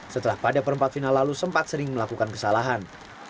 setelah pada perempat final lalu sempat sering melakukan kesalahan